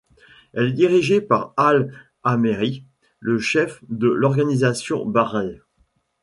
Elle est dirigée par Hadi al-Ameri, le chef de l'organisation Badr.